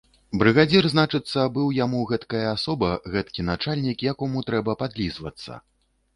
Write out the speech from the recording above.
Брыгадзір, значыцца, быў яму гэткая асоба, гэткі начальнік, якому трэба падлізвацца.